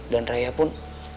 dan raya pun